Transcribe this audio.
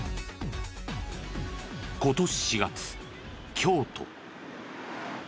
今年４月京都。